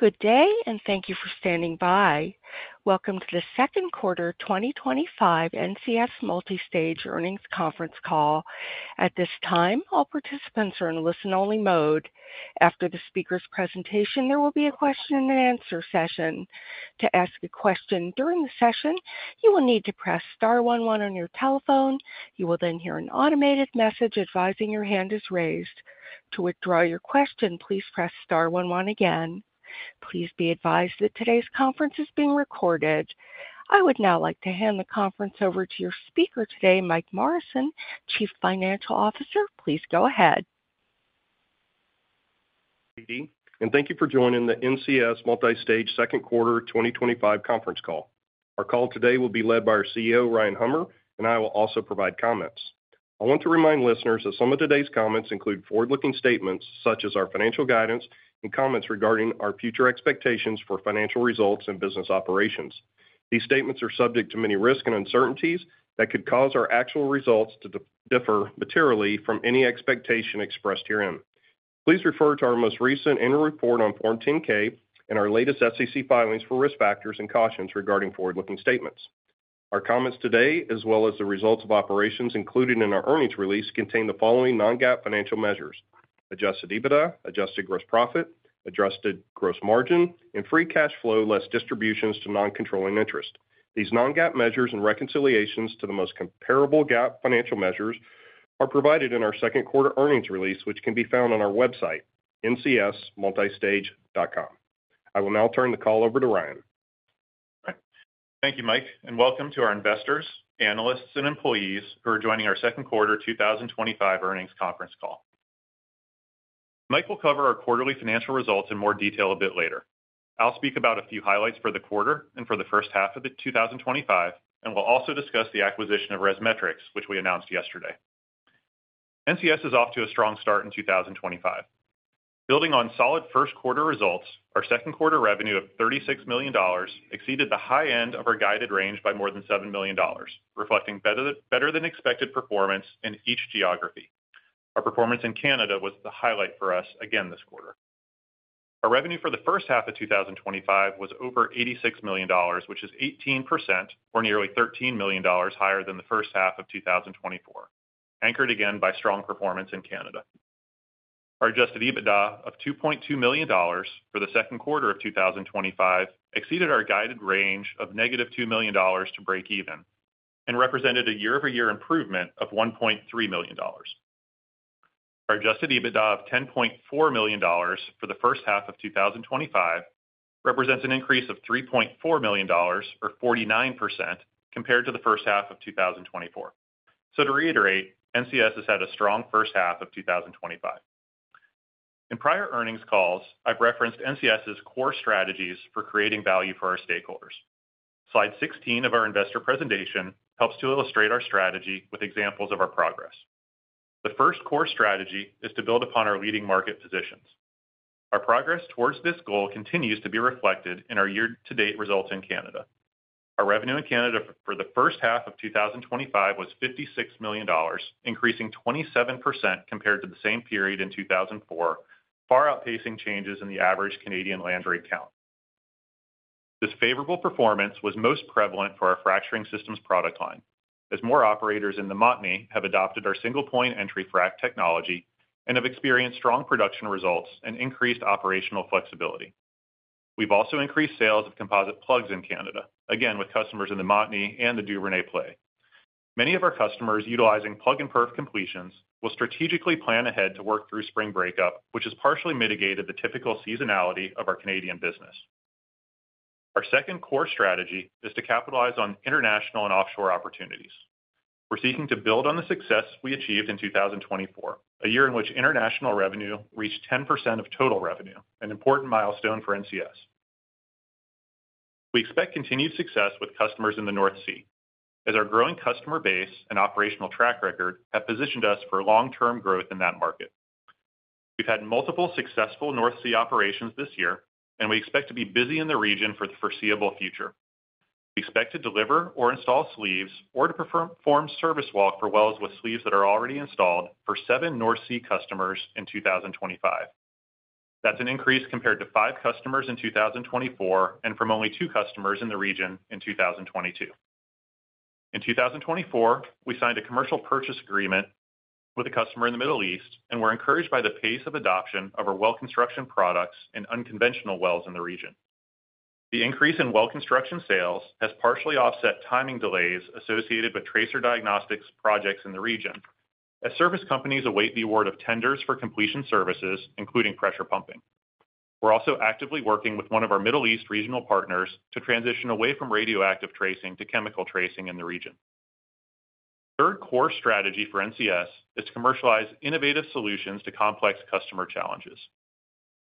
Good day, and thank you for standing by. Welcome to the second quarter 2025 NCS Multistage earnings conference call. At this time, all participants are in listen-only mode. After the speaker's presentation, there will be a question and answer session. To ask a question during the session, you will need to press star one one on your telephone. You will then hear an automated message advising your hand is raised. To withdraw your question, please press star one one again. Please be advised that today's conference is being recorded. I would now like to hand the conference over to your speaker today, Mike Morrison, Chief Financial Officer. Please go ahead. Thank you for joining the NCS Multistage second quarter 2025 conference call. Our call today will be led by our CEO, Ryan Hummer, and I will also provide comments. I want to remind listeners that some of today's comments include forward-looking statements such as our financial guidance and comments regarding our future expectations for financial results and business operations. These statements are subject to many risks and uncertainties that could cause our actual results to differ materially from any expectation expressed herein. Please refer to our most recent annual report on Form 10-K and our latest SEC filings for risk factors and cautions regarding forward-looking statements. Our comments today, as well as the results of operations included in our earnings release, contain the following non-GAAP financial measures: adjusted EBITDA, adjusted gross profit, adjusted gross margin, and free cash flow less distributions to non-controlling interest. These non-GAAP measures and reconciliations to the most comparable GAAP financial measures are provided in our second quarter earnings release, which can be found on our website, NCSMultistage.com. I will now turn the call over to Ryan. Thank you, Mike, and welcome to our investors, analysts, and employees who are joining our second quarter 2025 earnings conference call. Mike will cover our quarterly financial results in more detail a bit later. I'll speak about a few highlights for the quarter and for the first half of 2025, and we'll also discuss the acquisition of ResMetrics, which we announced yesterday. NCS is off to a strong start in 2025. Building on solid first quarter results, our second quarter revenue of $36 million exceeded the high end of our guided range by more than $7 million, reflecting better than expected performance in each geography. Our performance in Canada was the highlight for us again this quarter. Our revenue for the first half of 2025 was over $86 million, which is 18%, or nearly $13 million higher than the first half of 2024, anchored again by strong performance in Canada. Our adjusted EBITDA of $2.2 million for the second quarter of 2025 exceeded our guided range of -$2 million to break even and represented a year-over-year improvement of $1.3 million. Our adjusted EBITDA of $10.4 million for the first half of 2025 represents an increase of $3.4 million, or 49%, compared to the first half of 2024. To reiterate, NCS has had a strong first half of 2025. In prior earnings calls, I've referenced NCS's core strategies for creating value for our stakeholders. Slide 16 of our investor presentation helps to illustrate our strategy with examples of our progress. The first core strategy is to build upon our leading market positions. Our progress towards this goal continues to be reflected in our year-to-date results in Canada. Our revenue in Canada for the first half of 2025 was $56 million, increasing 27% compared to the same period in 2004, far outpacing changes in the average Canadian land rig count. This favorable performance was most prevalent for our fracturing systems product line, as more operators in the Montney have adopted our single-point entry frac technology and have experienced strong production results and increased operational flexibility. We've also increased sales of composite plugs in Canada, again with customers in the Montney and the Duvernay. Many of our customers utilizing plug-and-perf completions will strategically plan ahead to work through spring breakup, which has partially mitigated the typical seasonality of our Canadian business. Our second core strategy is to capitalize on international and offshore opportunities. We're seeking to build on the success we achieved in 2024, a year in which international revenue reached 10% of total revenue, an important milestone for NCS. We expect continued success with customers in the North Sea, as our growing customer base and operational track record have positioned us for long-term growth in that market. We've had multiple successful North Sea operations this year, and we expect to be busy in the region for the foreseeable future. We expect to deliver or install sleeves or to perform service work for wells with sleeves that are already installed for seven North Sea customers in 2025. That's an increase compared to five customers in 2024 and from only two customers in the region in 2022. In 2024, we signed a commercial purchase agreement with a customer in the Middle East and were encouraged by the pace of adoption of our well construction products and unconventional wells in the region. The increase in well construction sales has partially offset timing delays associated with tracer diagnostics projects in the region, as service companies await the award of tenders for completion services, including pressure pumping. We're also actively working with one of our Middle East regional partners to transition away from radioactive tracing to chemical tracing in the region. The third core strategy for NCS is to commercialize innovative solutions to complex customer challenges.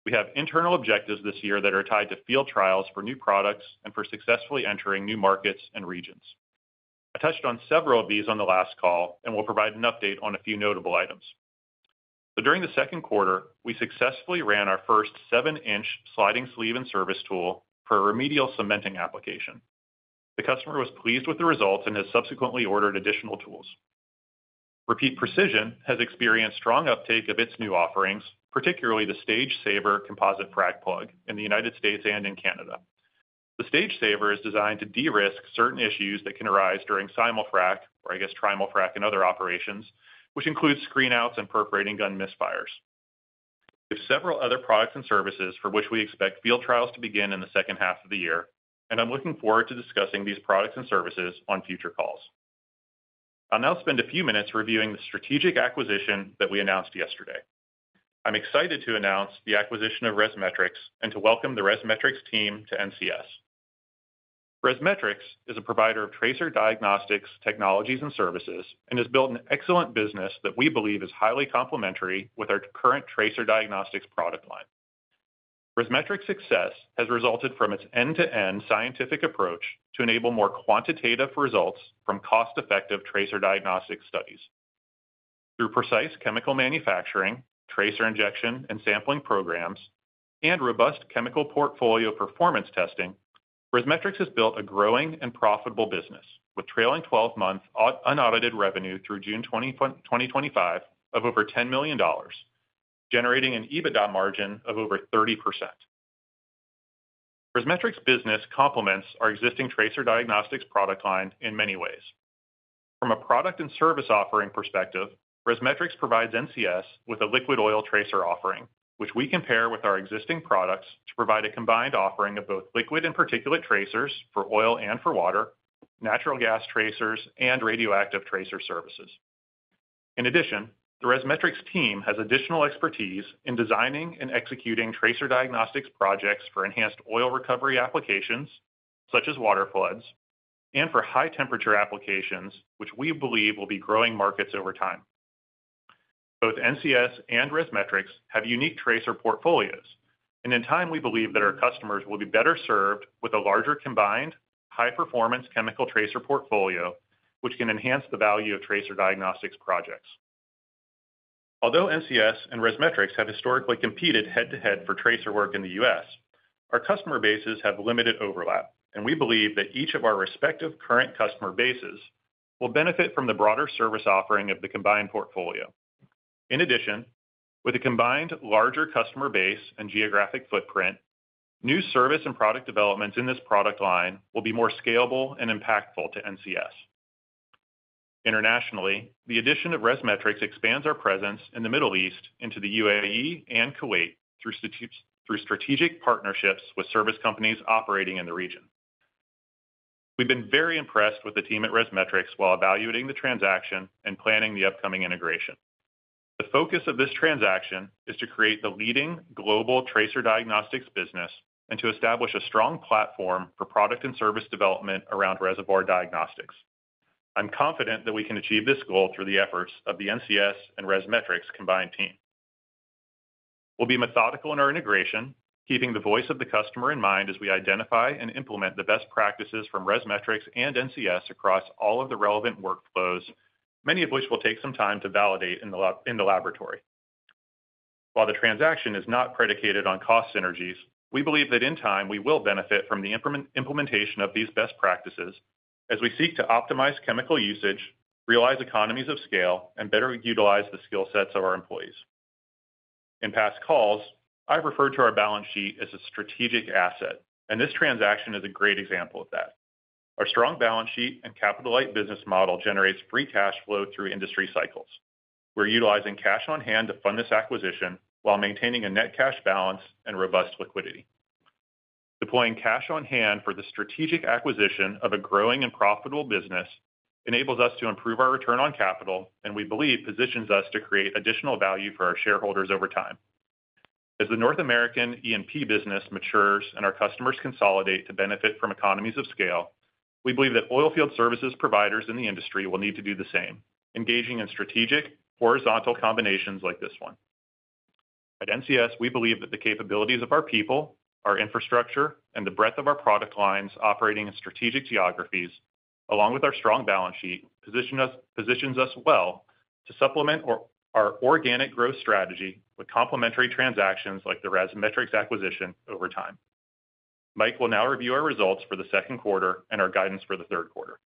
We have internal objectives this year that are tied to field trials for new products and for successfully entering new markets and regions. I touched on several of these on the last call and will provide an update on a few notable items. During the second quarter, we successfully ran our first seven-inch sliding sleeve and service tool for a remedial cementing application. The customer was pleased with the results and has subsequently ordered additional tools. Repeat Precision has experienced strong uptake of its new offerings, particularly the StageSaver composite plug in the U.S. and in Canada. The StageSaver is designed to de-risk certain issues that can arise during simul frac or, I guess, trim frac in other operations, which includes screen outs and perforating gun misfires. We have several other products and services for which we expect field trials to begin in the second half of the year, and I'm looking forward to discussing these products and services on future calls. I'll now spend a few minutes reviewing the strategic acquisition that we announced yesterday. I'm excited to announce the acquisition of ResMetrics and to welcome the ResMetrics team to NCS. ResMetrics is a provider of tracer diagnostics technologies and services and has built an excellent business that we believe is highly complementary with our current tracer diagnostics product line. ResMetrics' success has resulted from its end-to-end scientific approach to enable more quantitative results from cost-effective tracer diagnostic studies. Through precise chemical manufacturing, tracer injection and sampling programs, and robust chemical portfolio performance testing, ResMetrics has built a growing and profitable business with trailing 12-month unaudited revenue through June 2025 of over $10 million, generating an EBITDA margin of over 30%. ResMetrics' business complements our existing tracer diagnostics product line in many ways. From a product and service offering perspective, ResMetrics provides NCS with a liquid oil tracer offering, which we compare with our existing products to provide a combined offering of both liquid and particulate tracers for oil and for water, natural gas tracers, and radioactive tracer services. In addition, the ResMetrics team has additional expertise in designing and executing tracer diagnostics projects for enhanced oil recovery applications, such as water floods, and for high-temperature applications, which we believe will be growing markets over time. Both NCS and ResMetrics have unique tracer portfolios, and in time, we believe that our customers will be better served with a larger combined high-performance chemical tracer portfolio, which can enhance the value of tracer diagnostics projects. Although NCS and ResMetrics have historically competed head-to-head for tracer work in the U.S., our customer bases have limited overlap, and we believe that each of our respective current customer bases will benefit from the broader service offering of the combined portfolio. In addition, with a combined larger customer base and geographic footprint, new service and product developments in this product line will be more scalable and impactful to NCS. Internationally, the addition of ResMetrics expands our presence in the Middle East into the UAE and Kuwait through strategic partnerships with service companies operating in the region. We've been very impressed with the team at ResMetrics while evaluating the transaction and planning the upcoming integration. The focus of this transaction is to create the leading global tracer diagnostics business and to establish a strong platform for product and service development around reservoir diagnostics. I'm confident that we can achieve this goal through the efforts of the NCS and ResMetrics combined team. We'll be methodical in our integration, keeping the voice of the customer in mind as we identify and implement the best practices from ResMetrics and NCS across all of the relevant workflows, many of which will take some time to validate in the laboratory. While the transaction is not predicated on cost synergies, we believe that in time we will benefit from the implementation of these best practices as we seek to optimize chemical usage, realize economies of scale, and better utilize the skill sets of our employees. In past calls, I've referred to our balance sheet as a strategic asset, and this transaction is a great example of that. Our strong balance sheet and capital-light business model generate free cash flow through industry cycles. We're utilizing cash on hand to fund this acquisition while maintaining a net cash position and robust liquidity. Deploying cash on hand for the strategic acquisition of a growing and profitable business enables us to improve our return on capital, and we believe positions us to create additional value for our shareholders over time. As the North American E&P business matures and our customers consolidate to benefit from economies of scale, we believe that oilfield services providers in the industry will need to do the same, engaging in strategic horizontal combinations like this one. At NCS, we believe that the capabilities of our people, our infrastructure, and the breadth of our product lines operating in strategic geographies, along with our strong balance sheet, position us well to supplement our organic growth strategy with complementary transactions like the ResMetrics acquisition over time. Mike will now review our results for the second quarter and our guidance for the third quarter.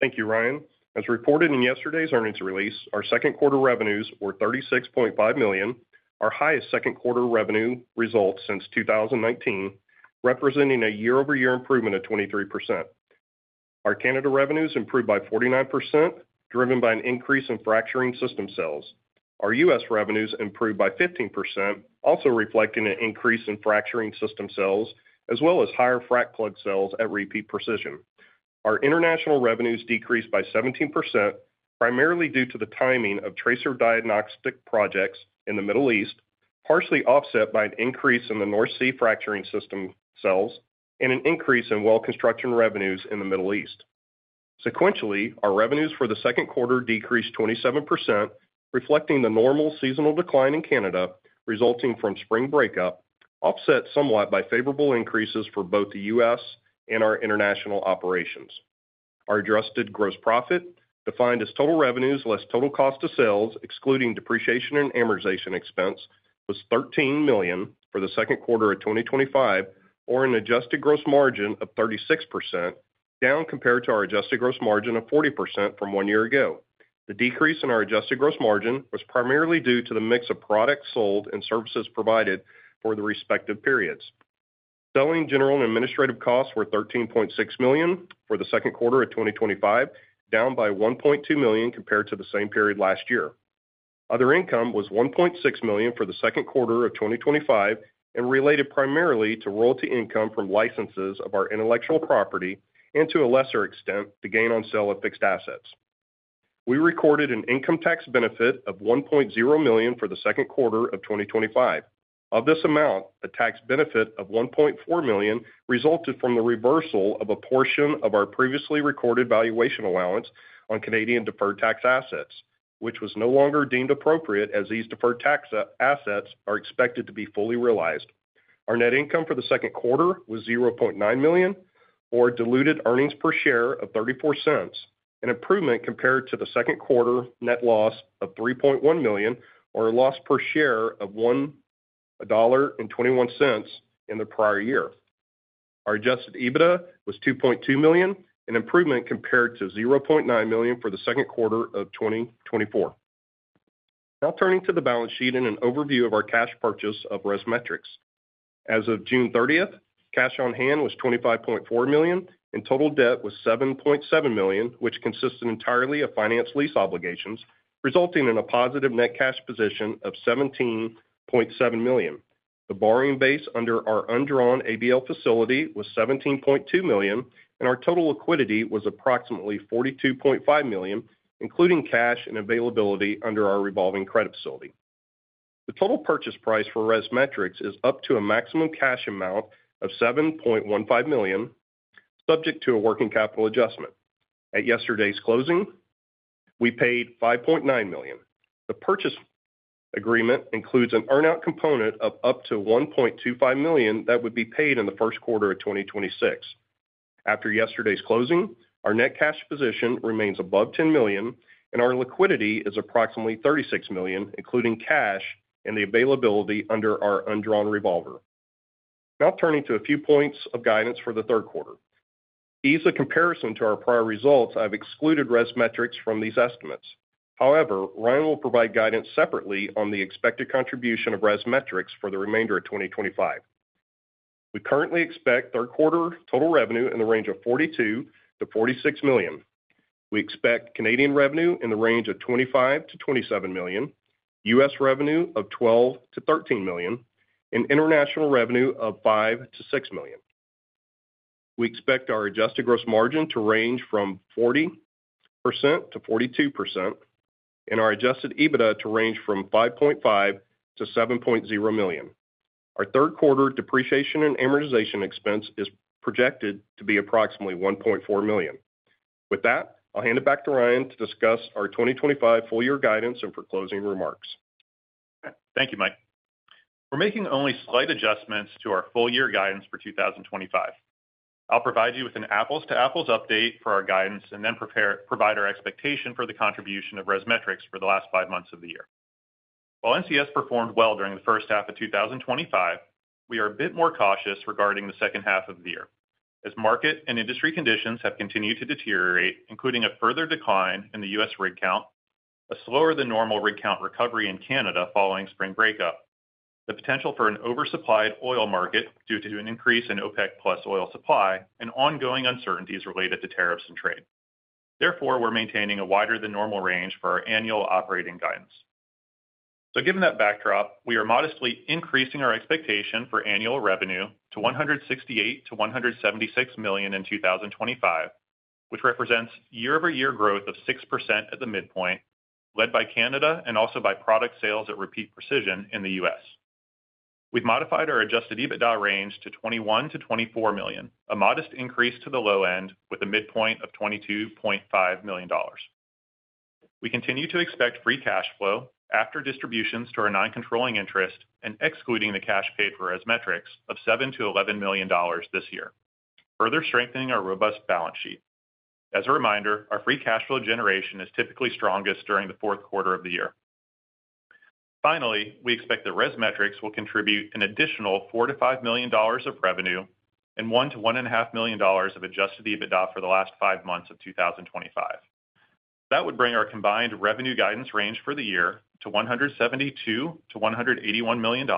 Thank you, Ryan. As reported in yesterday's earnings release, our second quarter revenues were $36.5 million, our highest second quarter revenue result since 2019, representing a year-over-year improvement of 23%. Our Canada revenues improved by 49%, driven by an increase in fracturing system sales. Our U.S. revenues improved by 15%, also reflecting an increase in fracturing system sales, as well as higher frac plug sales at Repeat Precision. Our international revenues decreased by 17%, primarily due to the timing of tracer diagnostics projects in the Middle East, partially offset by an increase in the North Sea fracturing system sales and an increase in well construction revenues in the Middle East. Sequentially, our revenues for the second quarter decreased 27%, reflecting the normal seasonal decline in Canada resulting from spring breakup, offset somewhat by favorable increases for both the U.S. and our international operations. Our adjusted gross profit, defined as total revenues less total cost of sales, excluding depreciation and amortization expense, was $13 million for the second quarter of 2025, or an adjusted gross margin of 36%, down compared to our adjusted gross margin of 40% from one year ago. The decrease in our adjusted gross margin was primarily due to the mix of products sold and services provided for the respective periods. Selling, general, and administrative costs were $13.6 million for the second quarter of 2025, down by $1.2 million compared to the same period last year. Other income was $1.6 million for the second quarter of 2025 and related primarily to royalty income from licenses of our intellectual property and, to a lesser extent, the gain on sale of fixed assets. We recorded an income tax benefit of $1.0 million for the second quarter of 2025. Of this amount, a tax benefit of $1.4 million resulted from the reversal of a portion of our previously recorded valuation allowance on Canadian deferred tax assets, which was no longer deemed appropriate as these deferred tax assets are expected to be fully realized. Our net income for the second quarter was $0.9 million, or a diluted earnings per share of $0.34, an improvement compared to the second quarter net loss of $3.1 million, or a loss per share of $1.21 in the prior year. Our adjusted EBITDA was $2.2 million, an improvement compared to $0.9 million for the second quarter of 2024. Now turning to the balance sheet and an overview of our cash purchase of ResMetrics. As of June 30th, cash on hand was $25.4 million and total debt was $7.7 million, which consisted entirely of financed lease obligations, resulting in a positive net cash position of $17.7 million. The borrowing base under our undrawn AVL facility was $17.2 million, and our total liquidity was approximately $42.5 million, including cash and availability under our revolving credit facility. The total purchase price for ResMetrics is up to a maximum cash amount of $7.15 million, subject to a working capital adjustment. At yesterday's closing, we paid $5.9 million. The purchase agreement includes an earnout component of up to $1.25 million that would be paid in the first quarter of 2026. After yesterday's closing, our net cash position remains above $10 million, and our liquidity is approximately $36 million, including cash and the availability under our undrawn revolver. Now turning to a few points of guidance for the third quarter. To ease the comparison to our prior results, I've excluded ResMetrics from these estimates. However, Ryan will provide guidance separately on the expected contribution of ResMetrics for the remainder of 2025. We currently expect third quarter total revenue in the range of $42 million-$46 million. We expect Canadian revenue in the range of $25 million-$27 million, U.S. revenue of $12 million-$13 million, and international revenue of $5 million-$6 million. We expect our adjusted gross margin to range from 40%-42%, and our adjusted EBITDA to range from $5.5 million-$7.0 million. Our third quarter depreciation and amortization expense is projected to be approximately $1.4 million. With that, I'll hand it back to Ryan to discuss our 2025 full-year guidance and for closing remarks. Thank you, Mike. We're making only slight adjustments to our full-year guidance for 2025. I'll provide you with an apples-to-apples update for our guidance and then provide our expectation for the contribution of ResMetrics for the last five months of the year. While NCS performed well during the first half of 2025, we are a bit more cautious regarding the second half of the year. As market and industry conditions have continued to deteriorate, including a further decline in the U.S. rig count, a slower-than-normal rig count recovery in Canada following spring breakup, the potential for an oversupplied oil market due to an increase in OPEC+ oil supply, and ongoing uncertainties related to tariffs and trade, we're maintaining a wider-than-normal range for our annual operating guidance. Given that backdrop, we are modestly increasing our expectation for annual revenue to $168 million-$176 million in 2025, which represents year-over-year growth of 6% at the midpoint, led by Canada and also by product sales at Repeat Precision in the U.S. We've modified our adjusted EBITDA range to $21 million-$24 million, a modest increase to the low end with a midpoint of $22.5 million. We continue to expect free cash flow after distributions to our non-controlling interest and excluding the cash paid for ResMetrics of $7 million-$11 million this year, further strengthening our robust balance sheet. As a reminder, our free cash flow generation is typically strongest during the fourth quarter of the year. Finally, we expect that ResMetrics will contribute an additional $4 million-$5 million of revenue and $1 million-$1.5 million of adjusted EBITDA for the last five months of 2025. That would bring our combined revenue guidance range for the year to $172 million-$181 million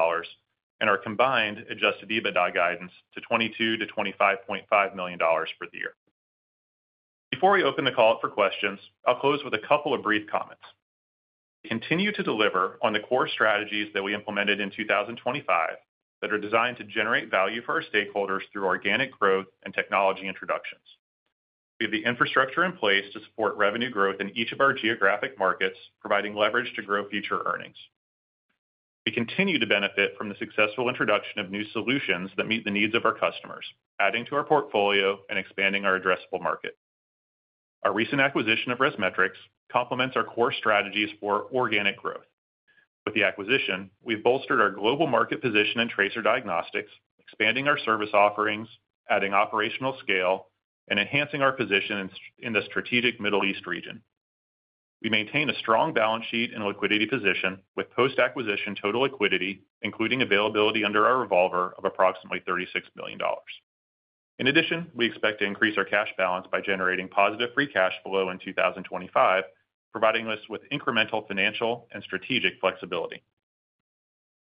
and our combined adjusted EBITDA guidance to $22 million-$25.5 million for the year. Before we open the call up for questions, I'll close with a couple of brief comments. We continue to deliver on the core strategies that we implemented in 2025 that are designed to generate value for our stakeholders through organic growth and technology introductions. We have the infrastructure in place to support revenue growth in each of our geographic markets, providing leverage to grow future earnings. We continue to benefit from the successful introduction of new solutions that meet the needs of our customers, adding to our portfolio and expanding our addressable market. Our recent acquisition of ResMetrics complements our core strategies for organic growth. With the acquisition, we've bolstered our global market position in tracer diagnostics, expanding our service offerings, adding operational scale, and enhancing our position in the strategic Middle East region. We maintain a strong balance sheet and liquidity position with post-acquisition total liquidity, including availability under our revolver of approximately $36 million. In addition, we expect to increase our cash balance by generating positive free cash flow in 2025, providing us with incremental financial and strategic flexibility.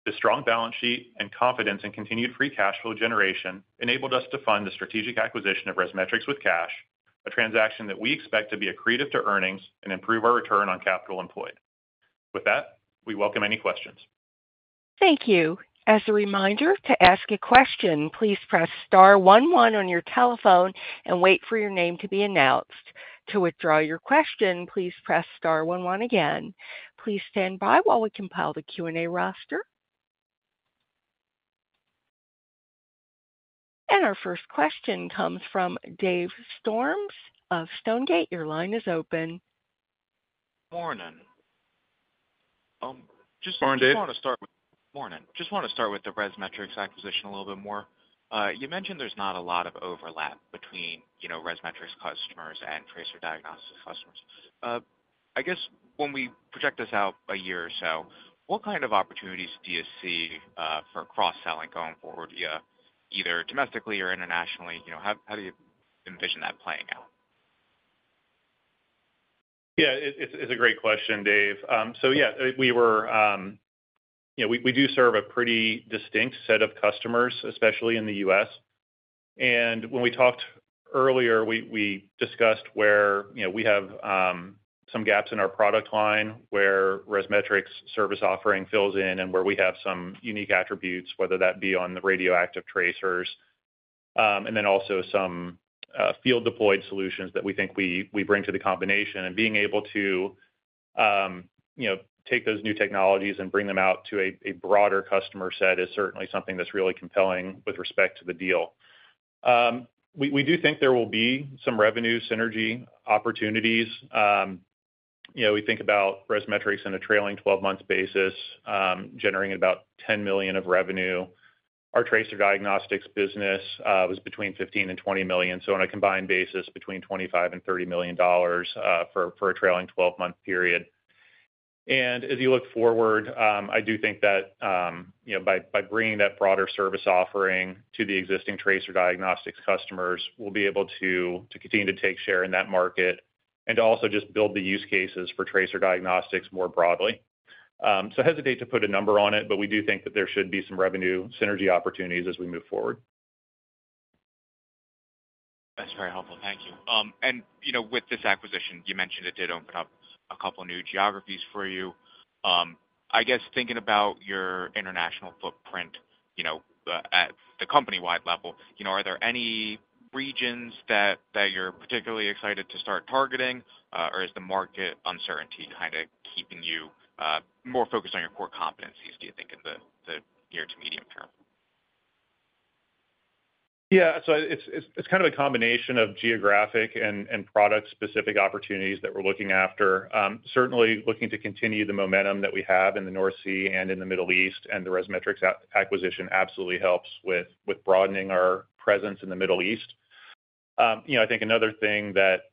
The strong balance sheet and confidence in continued free cash flow generation enabled us to fund the strategic acquisition of ResMetrics with cash, a transaction that we expect to be accretive to earnings and improve our return on capital employed. With that, we welcome any questions. Thank you. As a reminder, to ask a question, please press star one one on your telephone and wait for your name to be announced. To withdraw your question, please press star one one again. Please stand by while we compile the Q&A roster. Our first question comes from Dave Storms of Stonegate. Your line is open. Morning. Just want to start with the ResMetrics acquisition a little bit more. You mentioned there's not a lot of overlap between, you know, ResMetrics customers and tracer diagnostics customers. I guess when we project this out a year or so, what kind of opportunities do you see for cross-selling going forward, either domestically or internationally? How do you envision that playing out? Yeah, it's a great question, Dave. We do serve a pretty distinct set of customers, especially in the U.S. When we talked earlier, we discussed where we have some gaps in our product line where ResMetrics service offering fills in and where we have some unique attributes, whether that be on the radioactive tracers and also some field-deployed solutions that we think we bring to the combination. Being able to take those new technologies and bring them out to a broader customer set is certainly something that's really compelling with respect to the deal. We do think there will be some revenue synergy opportunities. We think about ResMetrics in a trailing 12-month basis, generating about $10 million of revenue. Our tracer diagnostics business was between $15 million and $20 million, so on a combined basis between $25 million and $30 million for a trailing 12-month period. As you look forward, I do think that by bringing that broader service offering to the existing tracer diagnostics customers, we'll be able to continue to take share in that market and to also just build the use cases for tracer diagnostics more broadly. I hesitate to put a number on it, but we do think that there should be some revenue synergy opportunities as we move forward. That's very helpful. Thank you. With this acquisition, you mentioned it did open up a couple of new geographies for you. I guess thinking about your international footprint, at the company-wide level, are there any regions that you're particularly excited to start targeting, or is the market uncertainty kind of keeping you more focused on your core competencies, do you think, in the near to medium term? Yeah, so it's kind of a combination of geographic and product-specific opportunities that we're looking after. Certainly looking to continue the momentum that we have in the North Sea and in the Middle East, and the ResMetrics acquisition absolutely helps with broadening our presence in the Middle East. I think another thing that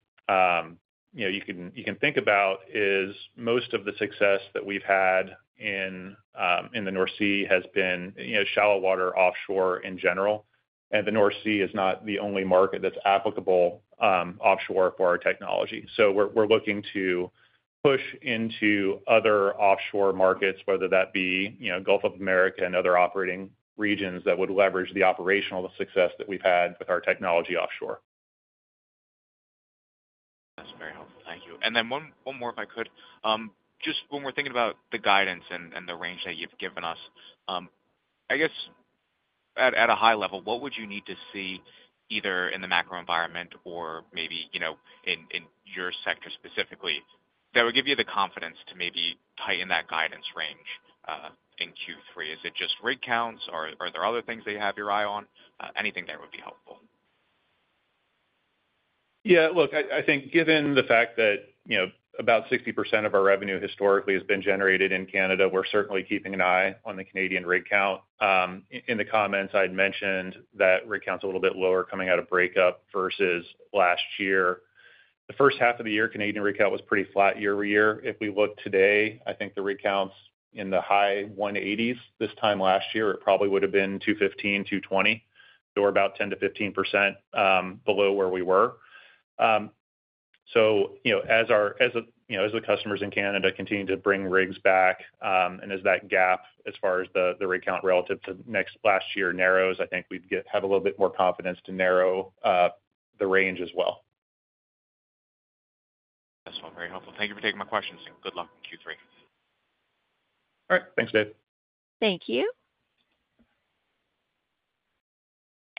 you can think about is most of the success that we've had in the North Sea has been shallow water offshore in general. The North Sea is not the only market that's applicable offshore for our technology. We're looking to push into other offshore markets, whether that be Gulf of America and other operating regions that would leverage the operational success that we've had with our technology offshore. That's very helpful. Thank you. One more, if I could, just when we're thinking about the guidance and the range that you've given us, I guess at a high level, what would you need to see either in the macro environment or maybe, you know, in your sector specifically that would give you the confidence to maybe tighten that guidance range in Q3? Is it just rig counts or are there other things that you have your eye on? Anything that would be helpful. Yeah, look, I think given the fact that, you know, about 60% of our revenue historically has been generated in Canada, we're certainly keeping an eye on the Canadian rig count. In the comments, I'd mentioned that rig count's a little bit lower coming out of breakup versus last year. The first half of the year, Canadian rig count was pretty flat year-over-year. If we look today, I think the rig count's in the high 180s. This time last year, it probably would have been 215, 220, so we're about 10%-15% below where we were. As the customers in Canada continue to bring rigs back and as that gap as far as the rig count relative to last year narrows, I think we'd have a little bit more confidence to narrow the range as well. That's all very helpful. Thank you for taking my questions. Good luck in Q3. All right. Thanks, Dave. Thank you.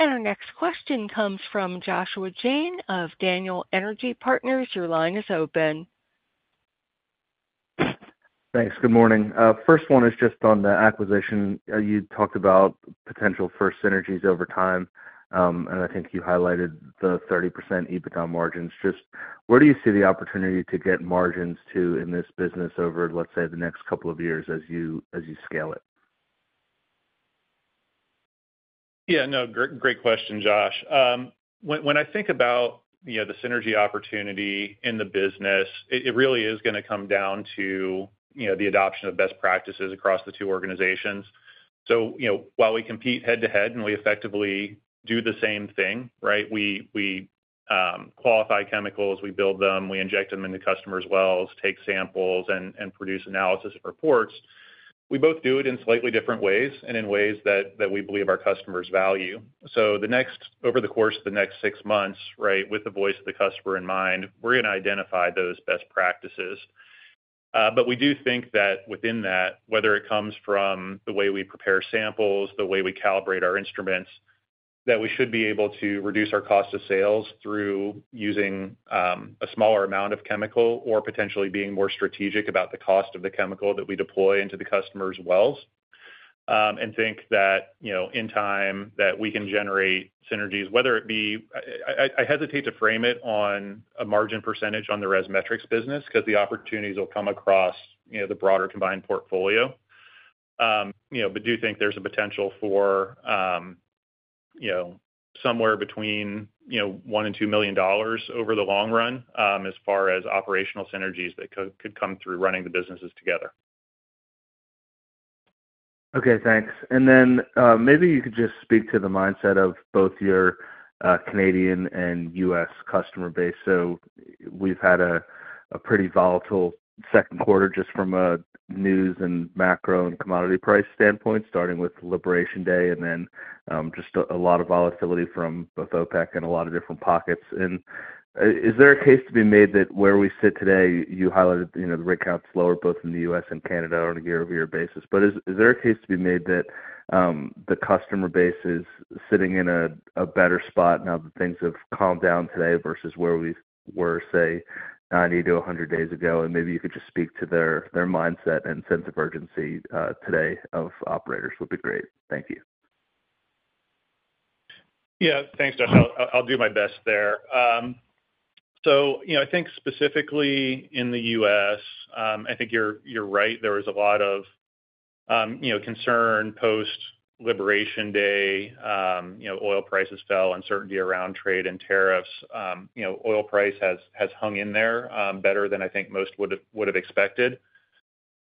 Our next question comes from Joshua Jayne of Daniel Energy Partners. Your line is open. Thanks. Good morning. First one is just on the acquisition. You talked about potential for synergies over time, and I think you highlighted the 30% EBITDA margins. Where do you see the opportunity to get margins to in this business over, let's say, the next couple of years as you scale it? Yeah, no, great question, Josh. When I think about the synergy opportunity in the business, it really is going to come down to the adoption of best practices across the two organizations. While we compete head-to-head and we effectively do the same thing, right, we qualify chemicals, we build them, we inject them into customers' wells, take samples, and produce analysis and reports, we both do it in slightly different ways and in ways that we believe our customers value. Over the course of the next six months, with the voice of the customer in mind, we're going to identify those best practices. We do think that within that, whether it comes from the way we prepare samples or the way we calibrate our instruments, we should be able to reduce our cost of sales through using a smaller amount of chemical or potentially being more strategic about the cost of the chemical that we deploy into the customers' wells. I think that, in time, we can generate synergies, whether it be, I hesitate to frame it on a margin percentage on the ResMetrics business because the opportunities will come across the broader combined portfolio. I do think there's a potential for somewhere between $1 million and $2 million over the long run as far as operational synergies that could come through running the businesses together. Okay, thanks. Maybe you could just speak to the mindset of both your Canadian and U.S. customer base. We've had a pretty volatile second quarter just from a news and macro and commodity price standpoint, starting with the Liberation Day and then just a lot of volatility from both OPEC and a lot of different pockets. Is there a case to be made that where we sit today, you highlighted, you know, the rig count's lower both in the U.S. and Canada on a year-over-year basis, but is there a case to be made that the customer base is sitting in a better spot now that things have calmed down today versus where we were, say, 90-100 days ago? Maybe you could just speak to their mindset and sense of urgency today of operators would be great. Thank you. Yeah, thanks, Josh. I'll do my best there. I think specifically in the U.S., I think you're right. There was a lot of concern post-Liberation Day. Oil prices fell, uncertainty around trade and tariffs. Oil price has hung in there better than I think most would have expected.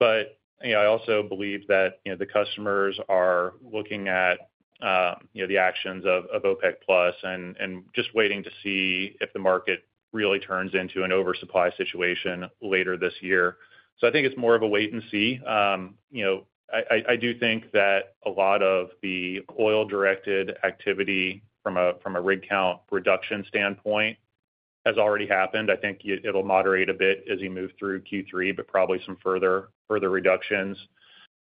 I also believe that the customers are looking at the actions of OPEC Plus and just waiting to see if the market really turns into an oversupply situation later this year. I think it's more of a wait and see. I do think that a lot of the oil-directed activity from a rate count reduction standpoint has already happened. I think it'll moderate a bit as you move through Q3, probably some further reductions.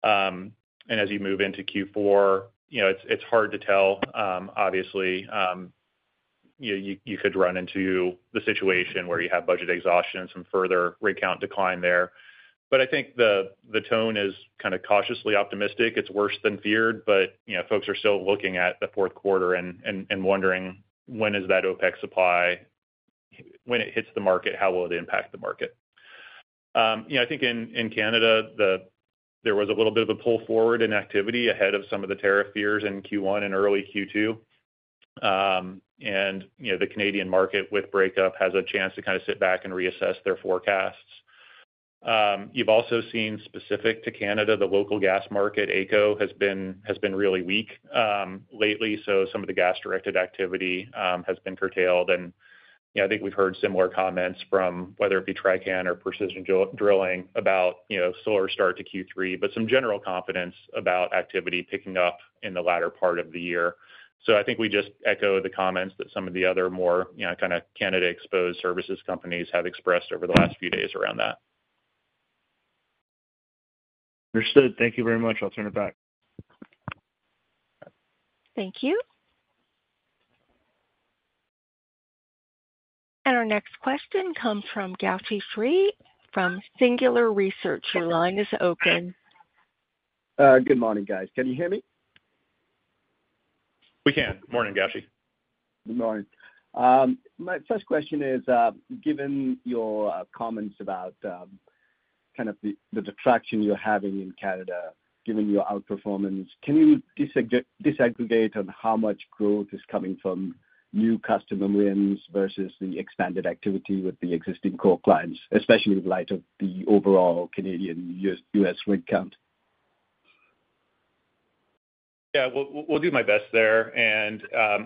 As you move into Q4, it's hard to tell. Obviously, you could run into the situation where you have budget exhaustion and some further rate count decline there. I think the tone is kind of cautiously optimistic. It's worse than feared, but folks are still looking at the fourth quarter and wondering when is that OPEC supply, when it hits the market, how will it impact the market? I think in Canada, there was a little bit of a pull forward in activity ahead of some of the tariff fears in Q1 and early Q2. The Canadian market with breakup has a chance to kind of sit back and reassess their forecasts. You've also seen specific to Canada, the local gas market, ACO, has been really weak lately. Some of the gas-directed activity has been curtailed. I think we've heard similar comments from whether it be TRICAN or Precision Drilling about a slower start to Q3, but some general confidence about activity picking up in the latter part of the year. I think we just echo the comments that some of the other more Canada-exposed services companies have expressed over the last few days around that. Understood. Thank you very much. I'll turn it back. Thank you. Our next question comes from [Gauchi Free] from Singular Research. Your line is open. Good morning, guys. Can you hear me? We can. Morning, [Gauchi]. Good morning. My first question is, given your comments about the traction you're having in Canada, given your outperformance, can you disaggregate on how much growth is coming from new customer wins versus the expanded activity with the existing core clients, especially in light of the overall Canadian U.S. rate count? I'll do my best there.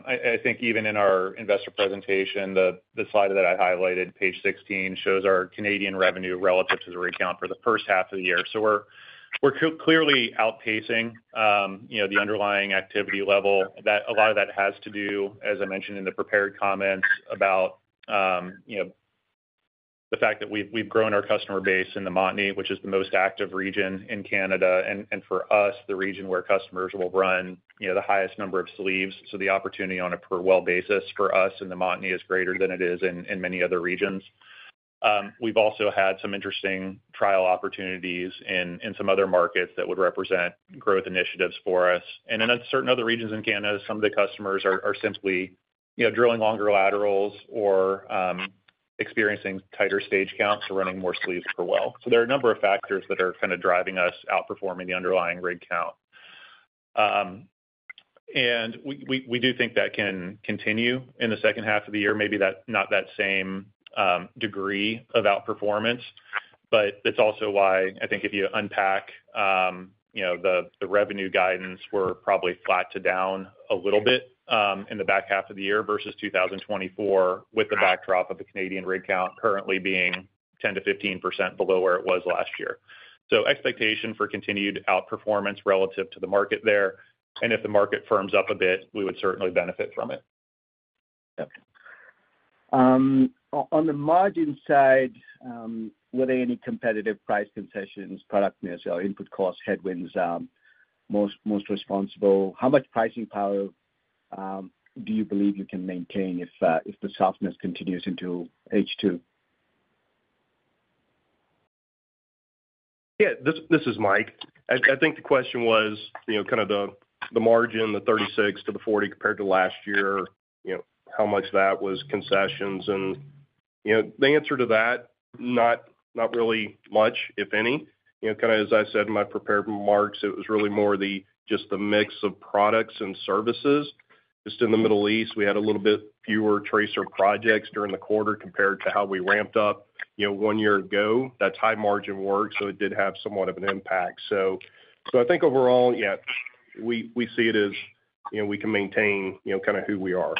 I think even in our investor presentation, the slide that I highlighted, page 16, shows our Canadian revenue relative to the rate count for the first half of the year. We're clearly outpacing the underlying activity level. A lot of that has to do, as I mentioned in the prepared comments, with the fact that we've grown our customer base in the Montney, which is the most active region in Canada. For us, the region where customers will run the highest number of sleeves. The opportunity on a per well basis for us in the Montney is greater than it is in many other regions. We've also had some interesting trial opportunities in some other markets that would represent growth initiatives for us. In certain other regions in Canada, some of the customers are simply drilling longer laterals or experiencing tighter stage counts or running more sleeves per well. There are a number of factors that are driving us outperforming the underlying rate count. We do think that can continue in the second half of the year, maybe not that same degree of outperformance, but that's also why I think if you unpack the revenue guidance, we're probably flat to down a little bit in the back half of the year versus 2024 with the backdrop of a Canadian rate count currently being 10%-15% below where it was last year. Expectation for continued outperformance relative to the market there. If the market firms up a bit, we would certainly benefit from it. On the margin side, were there any competitive price concessions, product near sale input costs, headwinds most responsible? How much pricing power do you believe you can maintain if the softness continues into H2? Yeah, this is Mike. I think the question was, you know, kind of the margin, the 36%-40% compared to last year, you know, how much that was concessions. The answer to that, not really much, if any. As I said in my prepared remarks, it was really more just the mix of products and services. Just in the Middle East, we had a little bit fewer tracer projects during the quarter compared to how we ramped up, you know, one year ago. That's high margin work, so it did have somewhat of an impact. I think overall, yeah, we see it as, you know, we can maintain, you know, kind of who we are.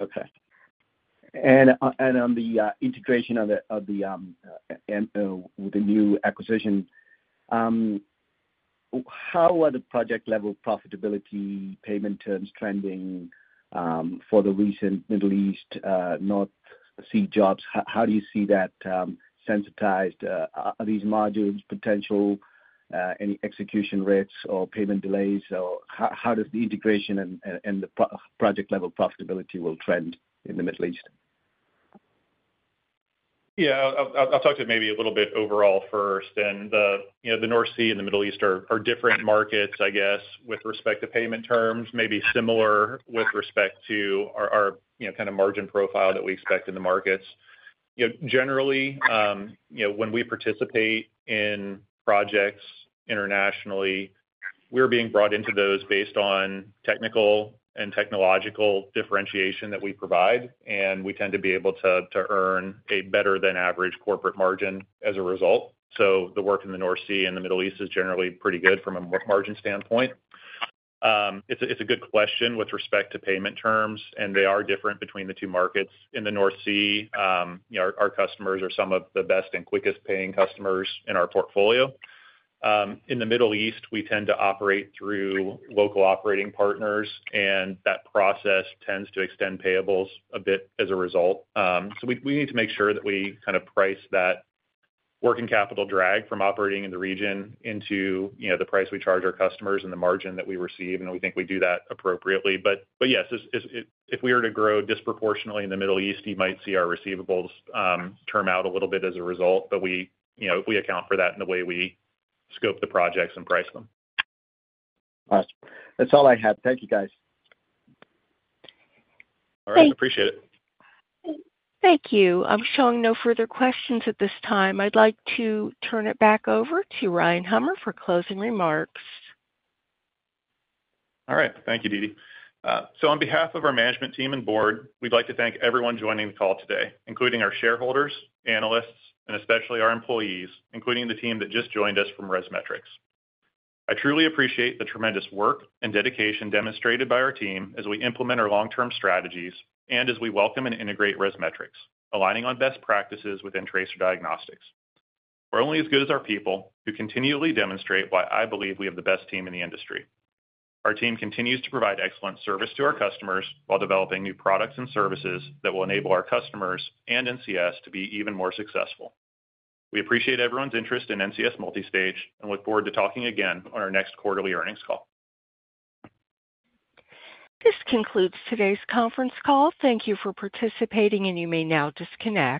Okay. On the integration of the MO with the new acquisition, how are the project level profitability payment terms trending for the recent Middle East, North Sea jobs? How do you see that sensitized? Are these modules potentially any execution rates or payment delays? How does the integration and the project level profitability trend in the Middle East? Yeah, I'll talk to maybe a little bit overall first. The North Sea and the Middle East are different markets, I guess, with respect to payment terms, maybe similar with respect to our, you know, kind of margin profile that we expect in the markets. You know, generally, you know, when we participate in projects internationally, we're being brought into those based on technical and technological differentiation that we provide. We tend to be able to earn a better than average corporate margin as a result. The work in the North Sea and the Middle East is generally pretty good from a margin standpoint. It's a good question with respect to payment terms, and they are different between the two markets. In the North Sea, you know, our customers are some of the best and quickest paying customers in our portfolio. In the Middle East, we tend to operate through local operating partners, and that process tends to extend payables a bit as a result. We need to make sure that we kind of price that working capital drag from operating in the region into, you know, the price we charge our customers and the margin that we receive. We think we do that appropriately. Yes, if we were to grow disproportionately in the Middle East, you might see our receivables term out a little bit as a result. We, you know, we account for that in the way we scope the projects and price them. All right. That's all I have. Thank you, guys. All right. Appreciate it. Thank you. I'm showing no further questions at this time. I'd like to turn it back over to Ryan Hummer for closing remarks. All right. Thank you, [Deedi]. On behalf of our management team and Board, we'd like to thank everyone joining the call today, including our shareholders, analysts, and especially our employees, including the team that just joined us from ResMetrics. I truly appreciate the tremendous work and dedication demonstrated by our team as we implement our long-term strategies and as we welcome and integrate ResMetrics, aligning on best practices within tracer diagnostics. We're only as good as our people who continually demonstrate why I believe we have the best team in the industry. Our team continues to provide excellent service to our customers while developing new products and services that will enable our customers and NCS to be even more successful. We appreciate everyone's interest in NCS Multistage and look forward to talking again on our next quarterly earnings call. This concludes today's conference call. Thank you for participating, and you may now disconnect.